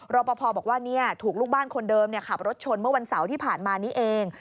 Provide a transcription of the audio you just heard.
รอปภบอกว่าถูกลูกบ้านคนเดิมขับรถชนเมื่อวันเสาร์ที่ผ่านมานี้เอง